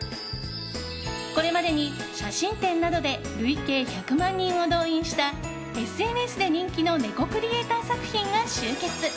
これまでに写真展などで累計１００万人を動員したＳＮＳで人気の猫クリエーター作品が集結。